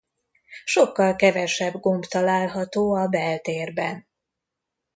Sokkal kevesebb gomb található a beltérben.